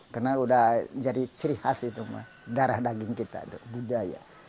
karena sudah jadi ciri khas itu darah daging kita budaya